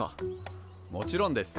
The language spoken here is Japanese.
もちろんです。